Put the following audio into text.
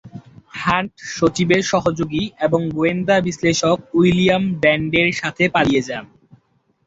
Hunt সচিবের সহযোগী এবং গোয়েন্দা বিশ্লেষক উইলিয়াম ব্র্যান্ডের সাথে পালিয়ে যান।